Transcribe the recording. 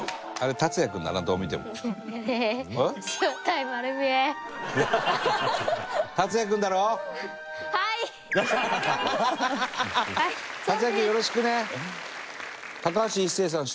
達哉君よろしくね。